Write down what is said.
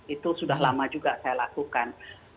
itu sudah lama juga saya lakukan